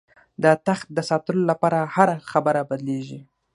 د تخت د ساتلو لپاره هره خبره بدلېږي.